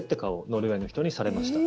ノルウェーの人にされました。